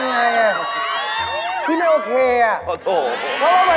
สดอย่างเข้าใจป่ะ